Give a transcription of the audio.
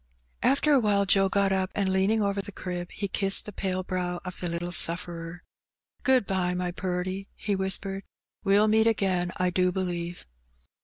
After awhile Joe got up, and leaning over the crib, he kissed the pale brow of the little sufferer. " Good bye, my purty, he whispered. "We*ll meet again, I do believe."